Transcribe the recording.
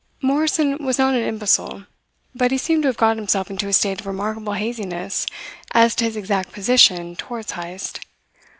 Morrison was not an imbecile, but he seemed to have got himself into a state of remarkable haziness as to his exact position towards Heyst.